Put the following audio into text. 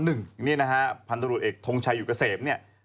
พันธุ์ตำรวจเอกทงชายอยู่เกษม